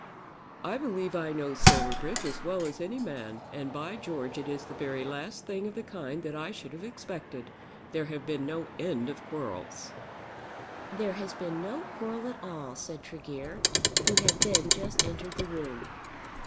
"I believe I know Silverbridge as well as any man, and by George it is the very last thing of the kind that I should have expected. There have been no end of quarrels." "There has been no quarrel at all," said Tregear, who had then just entered the room.